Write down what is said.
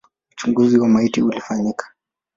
Uchunguzi wa maiti ulifanyika.